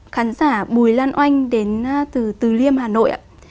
khán giả bùi lan oanh đến từ từ liêm hà nội